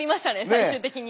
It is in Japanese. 最終的に。